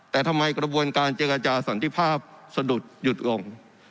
แต่ทำไมกระบวนการเจอกับอาจารย์สอนที่ภาพสะดุดหยุดอ่ง